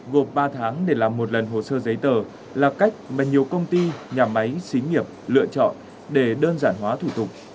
gộp ba tháng để làm một lần hồ sơ giấy tờ là cách mà nhiều công ty nhà máy xí nghiệp lựa chọn để đơn giản hóa thủ tục